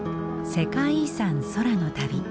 「世界遺産空の旅」